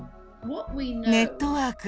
ネットワーク。